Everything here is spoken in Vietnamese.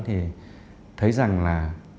thì thấy rằng là